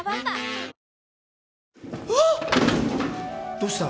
どうした？